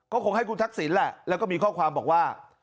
ก็คงให้คุณทักษิณแหละแล้วก็มีข้อความบอกว่า